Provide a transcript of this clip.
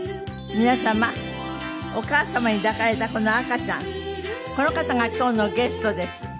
皆様お母様に抱かれたこの赤ちゃんこの方が今日のゲストです。